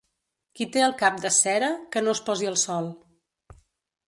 Qui té el cap de cera, que no es posi al sol.